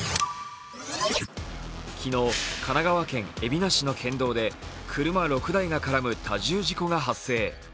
昨日、神奈川県海老名市の県道で車６台が絡む多重事故が発生。